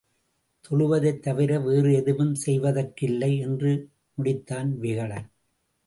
தொழுவதைத் தவிர வேறு எதுவும் செய்வதற்கில்லை! என்று முடித்தான் விகடன்.